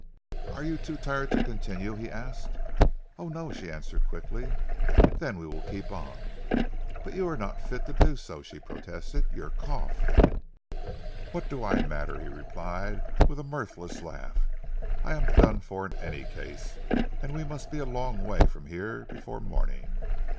"Are you too tired to continue?" he asked. "Oh no," she answered quickly. "Then we will keep on." "But you are not fit to do so," she protested. "Your cough " "What do I matter?" he replied with a mirthless laugh. "I am done for in any case, and we must be a long way from here before morning.